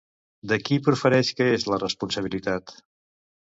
De qui profereix que és la responsabilitat?